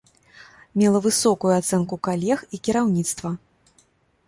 Мела высокую ацэнку калег і кіраўніцтва.